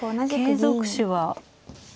継続手は。